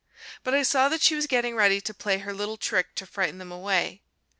But I saw that she was getting ready to play her little trick to frighten them away.